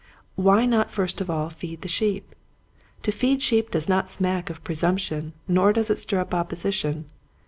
Why not first of all feed the sheep .? To feed sheep does not smack of presumption nor does it stir up opposition.